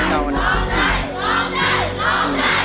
มีกลุ่ม